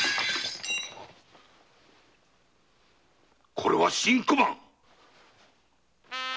これは新小判！